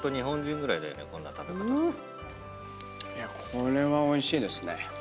これはおいしいですね。